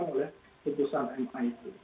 bagaimana supaya program ini tetap bisa berjalan